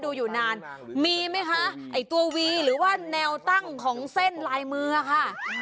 ดูอยู่นานมีไหมคะไอ้ตัววีหรือว่าแนวตั้งของเส้นลายมือค่ะ